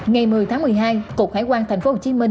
ngày một mươi tháng một mươi hai cục hải quan tp hcm